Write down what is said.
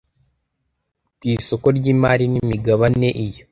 ku isoko ry imari n imigabane iyo